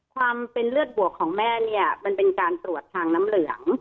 ความเป็นเลือดบวกของแม่เนี่ยมันเป็นการตรวจทางน้ำเหลือง